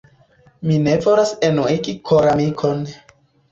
Mi ne volas enuigi koramikon.